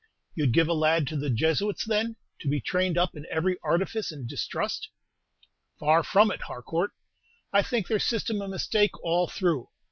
"You 'd give a lad to the Jesuits, then, to be trained up in every artifice and distrust?" "Far from it, Harcourt. I think their system a mistake all through.